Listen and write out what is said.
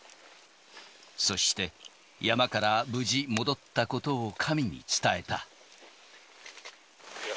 そして、山から無事戻ったことを、神に伝えた。